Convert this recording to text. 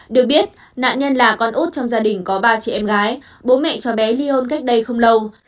được biết nạn nhân là con út trong gia đình có ba chị em gái bố mẹ cho bé ly hôn cách đây không lâu